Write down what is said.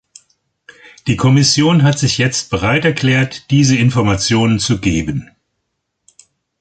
Die Kommission hat sich jetzt bereit erklärt, diese Informationen zu geben.